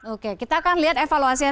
oke kita akan lihat evaluasinya